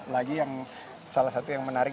lagi yang salah satu yang menarik